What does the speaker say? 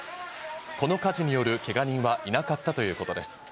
この火事によるけが人はいなかったということです。